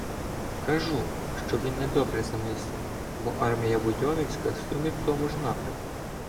Кажу, що він недобре замислив, бо армія будьонів- ська суне в тому ж напрямку.